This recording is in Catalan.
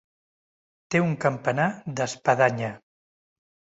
Té un campanar d'espadanya.